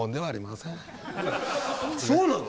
そうなの？